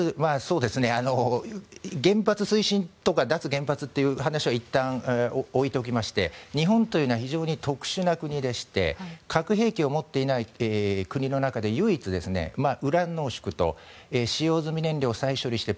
原発推進とか脱原発という話はいったん置いておきまして日本というのは非常に特殊な国でして核兵器を持っていない国の中で唯一、ウラン濃縮と使用済み燃料を再処理して